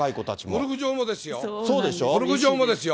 ゴルフ場もですよ。